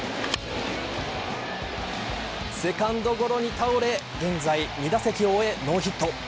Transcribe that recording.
セカンドゴロに倒れ現在２打席を終えノーヒット。